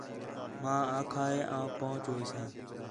ماں آکھا ہے آں پُہچ ویساں